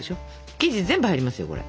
生地全部入りますよこれ。